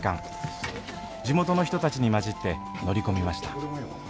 地元の人たちに交じって乗り込みました